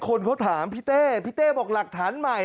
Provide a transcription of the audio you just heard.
คนเขาถามพี่เต้พี่เต้บอกหลักฐานใหม่